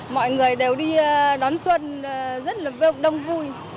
mọi người đều đi đón xuân rất là đông vui